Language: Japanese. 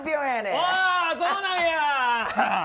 おー、そうなんや。